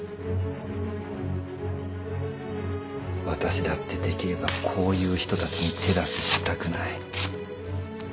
私だってできればこういう人たちに手出ししたくない。